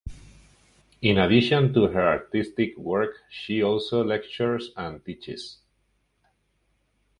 In addition to her artistic work she also lectures and teaches.